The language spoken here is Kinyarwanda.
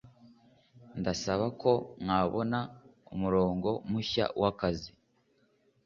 Ndasaba ko mwabona umurongo mushya wakazi.